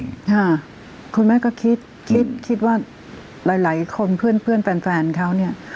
ค่ะคุณแม่ก็คิดคิดคิดว่าหลายหลายคนเพื่อนเพื่อนแฟนแฟนเขาเนี้ย